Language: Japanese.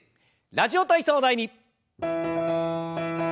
「ラジオ体操第２」。